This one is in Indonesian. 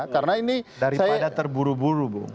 daripada terburu buru bu